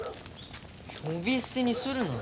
呼び捨てにするな。